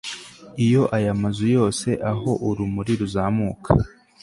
iyo aya mazu yose aho urumuri ruzamuka